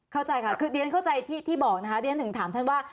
เข้าใจค่ะคือเรียนเข้าใจที่บอกนะคะเรียนถึงถามท่านว่า